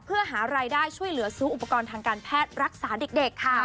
เพื่อหารายได้ช่วยเหลือซื้ออุปกรณ์ทางการแพทย์รักษาเด็กค่ะ